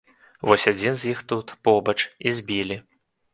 Вось адзін з іх тут, побач, і збілі.